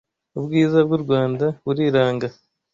Ubwiza bw’u Rwanda buriranga